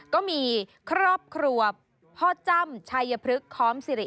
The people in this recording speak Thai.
ก็มีครอบครัวพ่อจ้ำชัยพฤกษ้อมสิริ